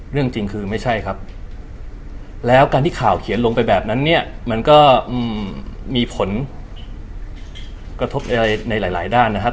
เรื่องจริงคือไม่ใช่ครับแล้วการที่ข่าวเขียนลงไปแบบนั้นเนี่ยมันก็มีผลกระทบอะไรในหลายด้านนะฮะ